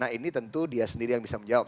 nah ini tentu dia sendiri yang bisa menjawab